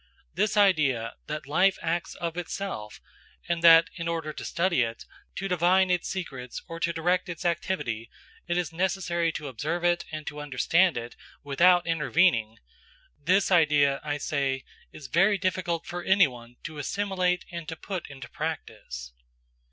This idea, that life acts of itself, and that in order to study it, to divine its secrets or to direct its activity, it is necessary to observe it and to understand it without intervening–this idea, I say, is very difficult for anyone to assimilate and to put into practice.